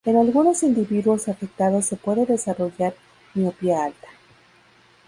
En algunos individuos afectados se puede desarrollar miopía alta.